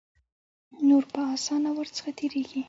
نور په آسانه ور څخه تیریږي.